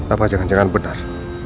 apa jangan jangan benar